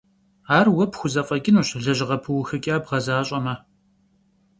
Ar vue pxuzef'eç'ınuş, lejığe pıuxıç'a bğezaş'eme.